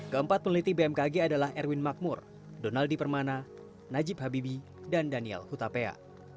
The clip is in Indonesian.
keempat peneliti bmkg adalah erwin makmur donaldi permana najib habibi dan daniel hutapea